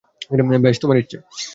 বেশ, তোমার ইচ্ছে।